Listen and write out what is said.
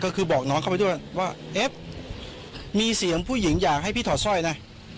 ก็คือบอกน้องเข้าไปด้วยว่าเอฟมีเสียงผู้หญิงอยากให้พี่ถอดสร้อยนะ